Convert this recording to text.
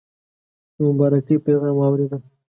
د مبارکی پیغام واورېد.